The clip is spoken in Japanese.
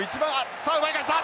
さあ奪い返した！